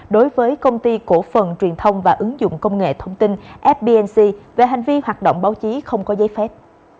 đối với công ty cổ phần truyền thông và ứng dụng công nghệ thông tin fbnc về hành vi hoạt động báo chí không có giấy phép